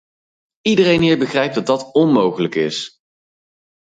Iedereen hier begrijpt dat dat onmogelijk is.